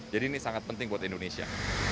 jadi ini sangat penting buat indonesia